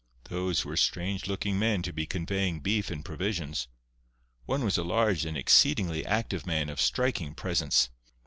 Those were strange looking men to be conveying beef and provisions. One was a large and exceedingly active man, of striking presence.